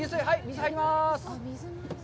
入ります。